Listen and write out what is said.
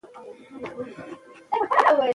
بم غږ د دروند خج نښه ده.